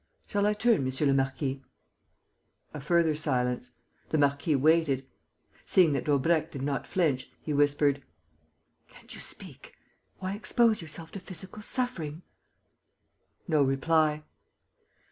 "Shall I turn, monsieur le marquis?" A further silence. The marquis waited. Seeing that Daubrecq did not flinch, he whispered: "Can't you speak? Why expose yourself to physical suffering?" No reply.